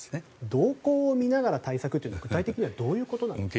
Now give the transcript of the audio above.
動向を見ながら対策というのは具体的にはどういうことなんですか。